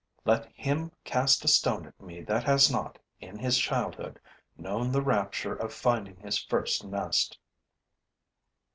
Let him cast a stone at me that has not, in his childhood, known the rapture of finding his first nest.